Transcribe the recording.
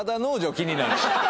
気になる